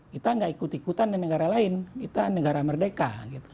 kita gak ikut ikutan di negara lain kita negara merdeka